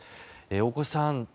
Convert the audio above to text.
大越さん